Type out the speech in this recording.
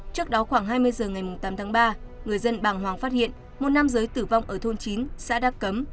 trước đó khoảng hai mươi h ngày tám tháng ba người dân bàng hoàng phát hiện một nam giới tử vong ở thôn chín xã đắk cấm